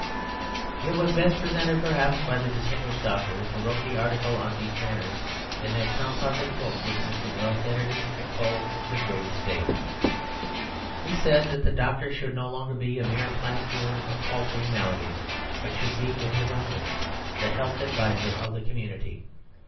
It was best presented perhaps by the distinguished doctor who wrote the article on these matters in that composite book which Mr. Wells edited, and called "The Great State." He said the doctor should no longer be a mere plasterer of paltry maladies, but should be, in his own words, "the health adviser of the community."